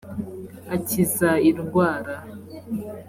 akiza indwara.